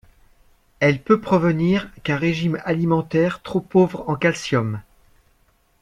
Elle peut provenir qu'un régime alimentaire trop pauvre en calcium.